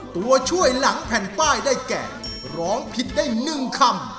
ตัวช่วยหลังแผ่นป้ายได้แก่ร้องผิดได้๑คำ